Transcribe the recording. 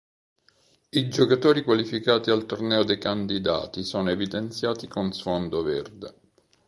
I giocatori qualificati al Torneo dei candidati sono evidenziati con sfondo verde.